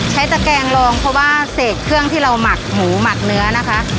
ตะแกงลองเพราะว่าเศษเครื่องที่เราหมักหมูหมักเนื้อนะคะ